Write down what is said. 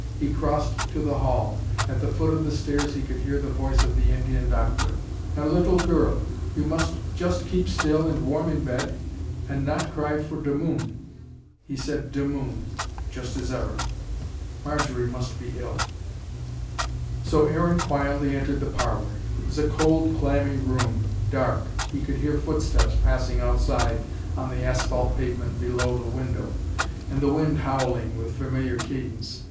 He crossed to the hall. At the foot of the stairs he could hear the voice of the Indian doctor: "Now little girl, you must just keep still and warm in bed, and not cry for the moon." He said "de moon," just as ever. Marjory must be ill. So Aaron quietly entered the parlour. It was a cold, clammy room, dark. He could hear footsteps passing outside on the asphalt pavement below the window, and the wind howling with familiar cadence.